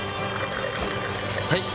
はい。